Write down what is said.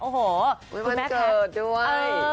วันเกิดด้วย